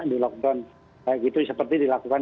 di lockdown seperti dilakukan